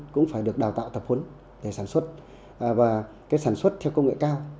cũng phải được đào tạo tập huấn để sản xuất và sản xuất theo công nghệ cao